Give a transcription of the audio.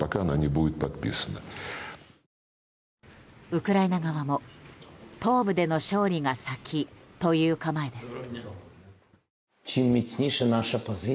ウクライナ側も、東部での勝利が先という構えです。